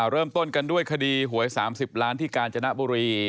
เริ่มต้นกันด้วยคดีหวย๓๐ล้านที่กาญจนบุรี